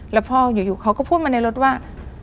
แล้วพ่ออยู่เขาก็พูดมาในรถว่า